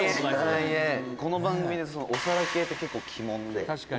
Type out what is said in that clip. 「この番組で、お皿系って結構、鬼門で」